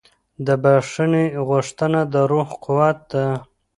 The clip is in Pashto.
د بښنې غوښتنه د روح قوت ده.